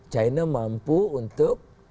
china mampu untuk